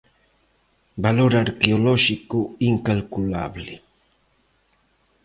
Valor arqueolóxico incalculable.